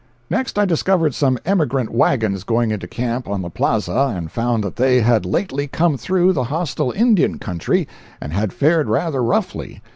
Next I discovered some emigrant wagons going into camp on the plaza and found that they had lately come through the hostile Indian country and had fared rather roughly.